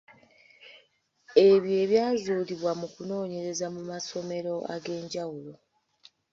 Ebyo ebyazuulibwa mu kunoonyereza mu masomero ag’enjawulo.